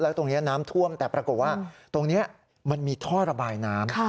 แล้วตรงนี้น้ำท่วมแต่ปรากฏว่าตรงนี้มันมีท่อระบายน้ำ